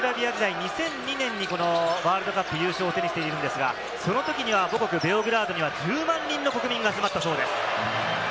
ユーゴスラビア時代、２００２年にワールドカップ、優勝を手にしていますが、その時には母国・ベオグラードには１０万人の国民が集まったそうです。